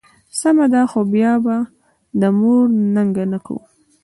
سمه ده، خو بیا به د مور ننګه نه کوې.